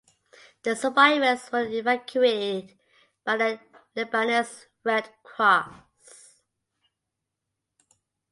The survivors were evacuated by the Lebanese Red Cross.